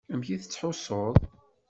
Amek i tettḥussuḍ?